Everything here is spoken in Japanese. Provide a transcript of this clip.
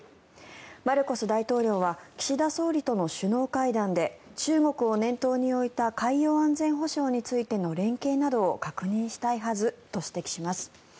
マルコス大統領は岸田総理との首脳会談で中国を念頭に置いた海洋安全保障について連携などを確認したいはずと指摘します。